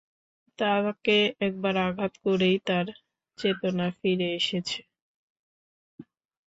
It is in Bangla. তাঁকে একবার আঘাত করেই তার চেতনা ফিরে এসেছে।